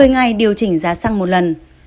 một mươi ngày điều chỉnh giá xăng một lần